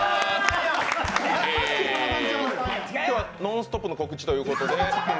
今日は「ノンストップ！」の告知ということで？